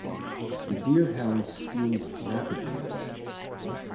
The Deerhound steams rapidly away.